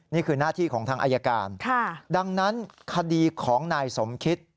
นี่คือหน้าที่ของทางอายการดังนั้นคดีของนายสมคิต